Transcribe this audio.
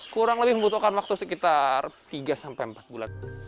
kurang lebih membutuhkan waktu sekitar tiga sampai empat bulan